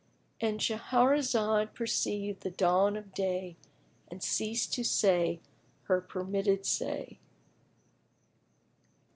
—And Shahrazad perceived the dawn of day and ceased to say her permitted say.